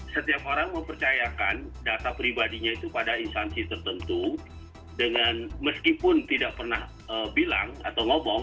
setiap orang mempercayakan data pribadinya itu pada instansi tertentu dengan meskipun tidak pernah bilang atau ngomong